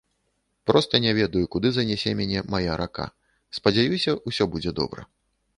Проста не ведаю куды занясе мяне мая рака, спадзяюся, усё будзе добра.